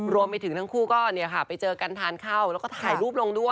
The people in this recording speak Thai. รวมไปถึงทั้งคู่ก็ไปเจอกันทานเข้าแล้วก็ถ่ายรูปลงด้วย